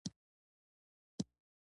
ما فکر کاوه چې هغه به ناروغ وي.